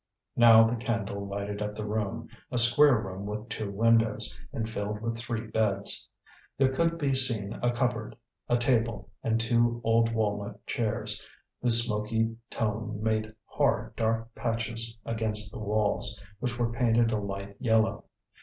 Now the candle lighted up the room, a square room with two windows, and filled with three beds. There could be seen a cupboard, a table, and two old walnut chairs, whose smoky tone made hard, dark patches against the walls, which were painted a light yellow.